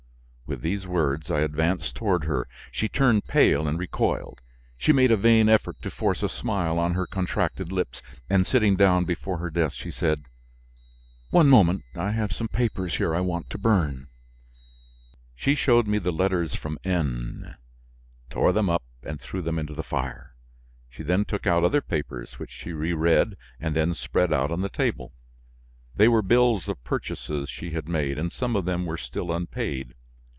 With these words, I advanced toward her; she turned pale and recoiled. She made a vain effort to force a smile on her contracted lips, and sitting down before her desk she said: "One moment; I have some papers here I want to burn." She showed me the letters from N , tore them up and threw them into the fire; she then took out other papers which she reread and then spread out on the table. They were bills of purchases she had made and some of them were still unpaid.